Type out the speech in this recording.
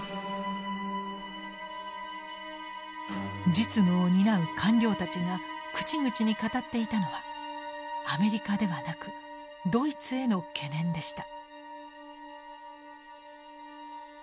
実務を担う官僚たちが口々に語っていたのはアメリカではなくドイツへの懸念でした。